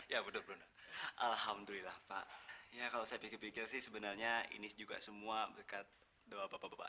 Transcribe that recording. ya benar benar alhamdulillah pak ya kalau saya pikir pikir sih sebenarnya ini juga semua berkat doa bapak bapak